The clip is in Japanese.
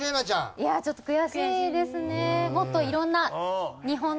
いやあちょっと悔しいですね。